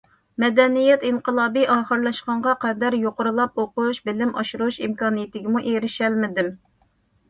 ‹‹ مەدەنىيەت ئىنقىلابى›› ئاخىرلاشقانغا قەدەر يۇقىرىلاپ ئوقۇش، بىلىم ئاشۇرۇش ئىمكانىيىتىگىمۇ ئېرىشەلمىدىم.